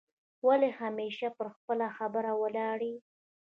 ولي همېشه پر خپله خبره ولاړ یې؟